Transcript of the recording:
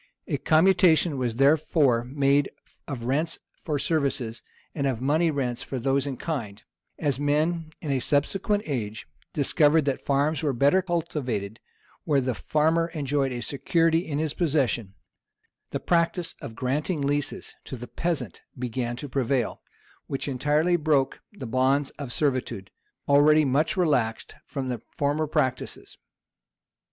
A commutation was therefore made of rents for services, and of money rents for those in kind; and as men, in a subsequent age, discovered that farms were better cultivated where the farmer enjoyed a security in his possession, the practice of granting leases to the peasant began to prevail, which entirely broke the bonds of servitude, already much relaxed from the former practices.